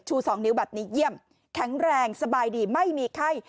สองนิ้วแบบนี้เยี่ยมแข็งแรงสบายดีไม่มีไข้